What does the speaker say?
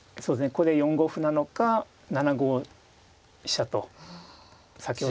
ここで４五歩なのか７五飛車と先ほどの局面へ戻るのか